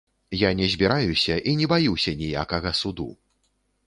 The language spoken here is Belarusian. Не збіраюся і не баюся ніякага суду.